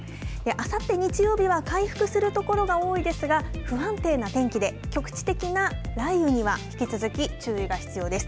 あさって日曜日は回復する所が多いですが不安定な天気で局地的な雷雨には引き続き注意が必要です。